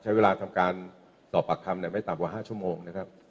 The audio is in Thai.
ใช้เวลาทำการสอบปากคำไม่ต่ำกว่า๕ชั่วโมงนะครับ